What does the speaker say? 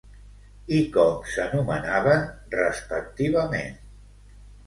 I com s'anomenaven respectivament?